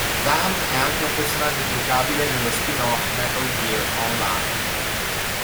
Vamp è anche un personaggio giocabile nello spin-off "Metal Gear Online".